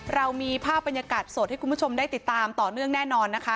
เรามีภาพบรรยากาศสดให้คุณผู้ชมได้ติดตามต่อเนื่องแน่นอนนะคะ